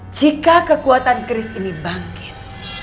jika kekuatan keris ini bangkit